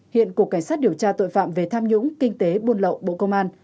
hiện cục cảnh sát điều tra tội phạm về tham nhũng kinh tế buôn lậu bộ công an